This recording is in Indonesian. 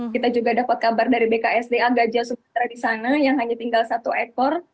kita juga dapat kabar dari bksda gajah sumatera di sana yang hanya tinggal satu ekor